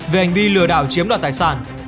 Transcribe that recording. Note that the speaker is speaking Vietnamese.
về hành vi lừa đảo chiếm đoàn tài sản